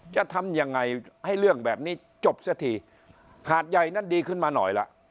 จะทำยังไงให้เรื่องแบบนี้จบเสียทีหาดใหญ่นั้นดีขึ้นมาหน่อยล่ะ